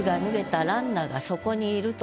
そこにいると。